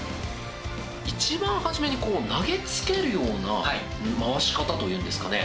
一番初めに投げつけるような回し方というんですかね？